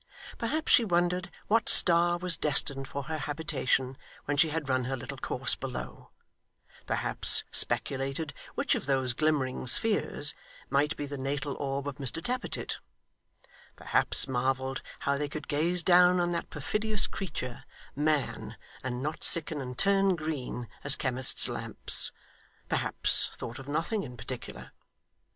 Perhaps she wondered what star was destined for her habitation when she had run her little course below; perhaps speculated which of those glimmering spheres might be the natal orb of Mr Tappertit; perhaps marvelled how they could gaze down on that perfidious creature, man, and not sicken and turn green as chemists' lamps; perhaps thought of nothing in particular.